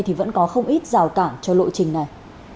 thì vẫn có không ít rào cản cho lộ trình này